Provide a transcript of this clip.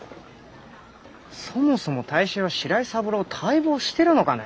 そもそも大衆が白井三郎を待望してるのかね？